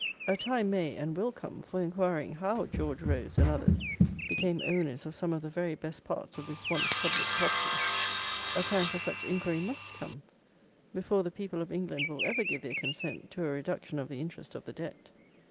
A time may, and will come, for inquiring HOW George Rose, and others, became owners of some of the very best parts of this once public property; a time for such inquiry must come, before the people of England will ever give their consent to a reduction of the interest of the debt!